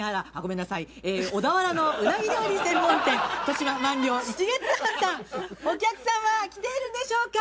小田原のうなぎ料理専門店、豊島鰻寮一月庵さん、お客さんは来ているんでしょうか？